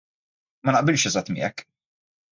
Ma naqbilx eżatt miegħek.